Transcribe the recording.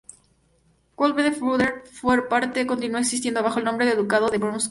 Wolfenbüttel, por su parte, continuó existiendo bajo el nombre de Ducado de Brunswick.